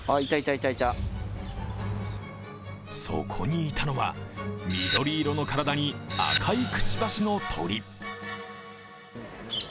そこにいたのは、緑色の体に赤いくちばしの鳥。